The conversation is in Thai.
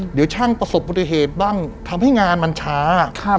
เดี๋ยวช่างประสบปฏิเหตุบ้างทำให้งานมันช้า